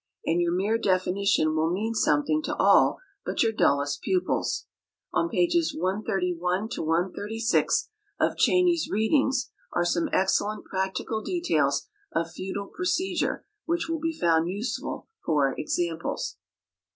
and your mere definition will mean something to all but your dullest pupils. On pp. 131 136 of Cheyney's "Readings," are some excellent practical details of feudal procedure which will be found useful for examples.